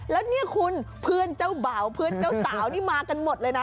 แล้วเนี่ยคุณเพื่อนเจ้าบ่าวเพื่อนเจ้าสาวนี่มากันหมดเลยนะ